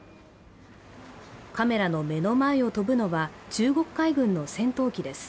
カメラの目の前を飛ぶのは中国海軍の戦闘機です。